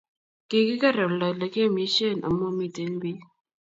kikiker oldo ne kiamisien amu matinye biik